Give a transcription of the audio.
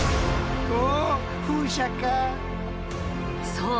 そう！